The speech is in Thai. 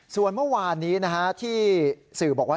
ส่วนเมื่อวานนี้ที่สื่อบอกว่า